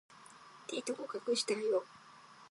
テスト合格したよ